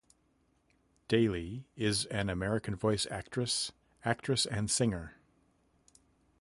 Daily, is an American voice actress, actress and singer.